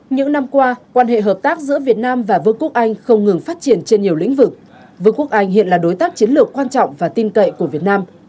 những năm qua quan hệ hợp tác giữa việt nam và vương quốc anh không ngừng phát triển trên nhiều lĩnh vực vương quốc anh hiện là đối tác chiến lược quan trọng và tin cậy của việt nam